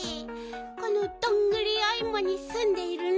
このどんぐりおいもにすんでいるんだ！